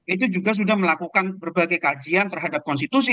itu juga sudah melakukan berbagai kajian terhadap konstitusi